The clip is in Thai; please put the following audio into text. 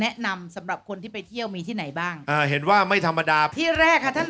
เห็นไหมก็มีลูกเล่นก็มีลูกเล่น